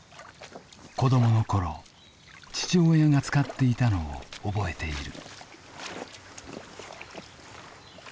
子供の頃父親が使っていたのを覚えている。